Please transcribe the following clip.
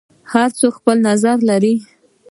هر څوک خپل نظر لري.